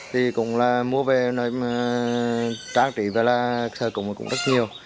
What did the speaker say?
thì cũng là mua về trang trị về là sơ cung cũng rất nhiều